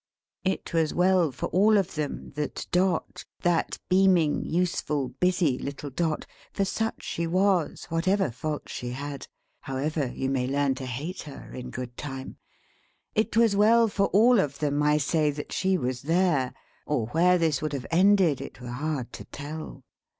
It was well for all of them that Dot, that beaming, useful, busy little Dot for such she was, whatever faults she had; however you may learn to hate her, in good time it was well for all of them, I say, that she was there: or where this would have ended, it were hard to tell.